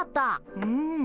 うん。